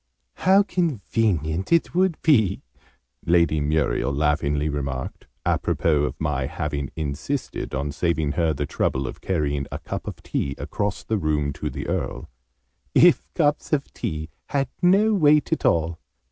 "How convenient it would be," Lady Muriel laughingly remarked, a propos of my having insisted on saving her the trouble of carrying a cup of tea across the room to the Earl, "if cups of tea had no weight at all!